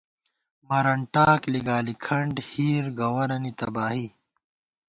مرن ٹاک/ لِگالی کھنٹ/ ہِیر(گوَرَنی تباہی)